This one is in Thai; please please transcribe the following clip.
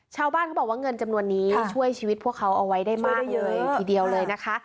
ชาวบ้านเขาบอกว่าเงินจำนวนนี้ช่วยชีวิตพวกเขาเอาไว้ได้มากเลยทีเดียวเลยนะคะ